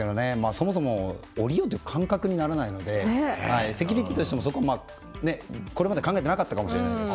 そもそも降りるという感覚にならないのでセキュリティーとしてもそこまで考えていなかったかもしれないですし。